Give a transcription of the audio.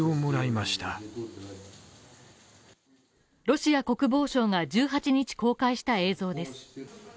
ロシア国防省が１８日公開した映像です。